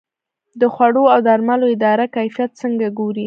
د خوړو او درملو اداره کیفیت څنګه ګوري؟